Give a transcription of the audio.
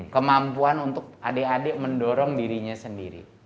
kemampuan untuk adik adik mendorong dirinya sendiri